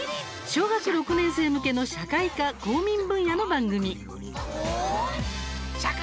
小学校６年生向けの社会科、公民分野の番組。